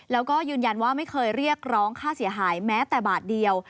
แล้วก็ยืนยันว่าไม่เคยเรียกร้องค่าเสียหายแม้แต่บาทเดียว